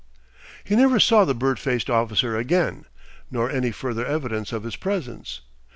He never saw the bird faced officer again, nor any further evidence of his presence.